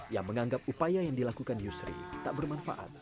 yang menganggap upaya yang dilakukan yusri tak bermanfaat